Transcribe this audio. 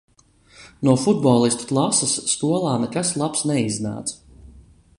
No futbolistu klases skolā nekas labs neiznāca.